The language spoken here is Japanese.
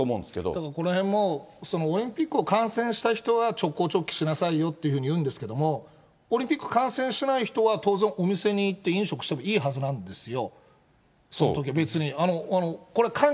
このへんも、オリンピックを観戦した人は直行直帰しなさいよって言うんですけども、オリンピック観戦してない人は当然、お店に行って飲食してもいいはずなんですよ。